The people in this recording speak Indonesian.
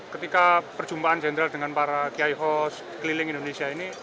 ketika perjumpaan jenderal dengan para kiai hos keliling indonesia ini